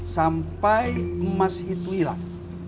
sampai emas itu hilang